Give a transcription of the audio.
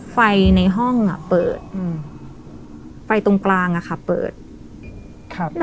ไฟในห้องอ่ะเปิดอืมไฟตรงกลางอ่ะค่ะเปิดครับ